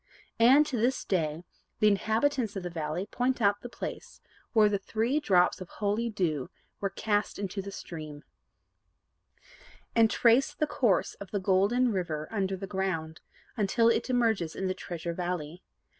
And, to this day, the inhabitants of the valley point out the place where the three drops of holy dew were cast into the stream, and trace the course of the Golden River under the ground, until it emerges in the Treasure Valley.